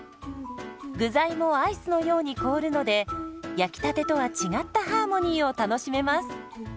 具材もアイスのように凍るので焼きたてとは違ったハーモニーを楽しめます。